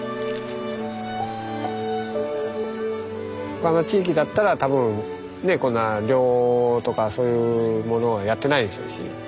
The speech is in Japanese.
他の地域だったら多分ねっこんな漁とかそういうものをやってないでしょうし